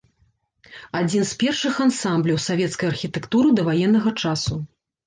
Адзін з першых ансамбляў савецкай архітэктуры даваеннага часу.